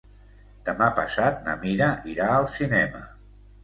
Demà passat na Mira irà al cinema.